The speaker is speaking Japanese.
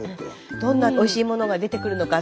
どんなおいしいものが出てくるのか。